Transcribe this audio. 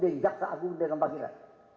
di jaksa agung dengan pak gita